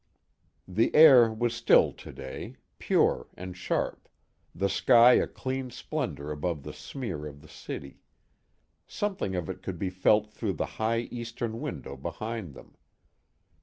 _ The air was still today, pure and sharp, the sky a clean splendor above the smear of the city. Something of it could be felt through the high eastern window behind them.